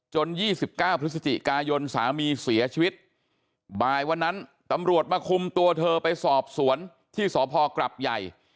๒๙พฤศจิกายนสามีเสียชีวิตบ่ายวันนั้นตำรวจมาคุมตัวเธอไปสอบสวนที่สพกรับใหญ่